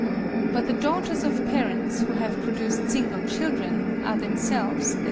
But the daughters of parents who have produced single children, are themselves, as Mr. Galton (12.